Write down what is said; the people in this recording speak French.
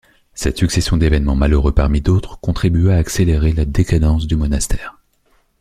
Cette succession d'évènements malheureux parmi d'autres contribua à accélérer la décadence du monastère.